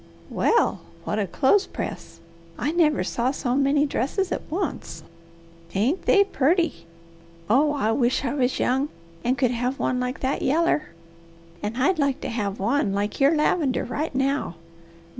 Well what a clothespress! I never saw so many dresses at once. Ain't they purty? Oh I wish I was young, and could have one like that yaller. And I'd like to have one like your lavender right now.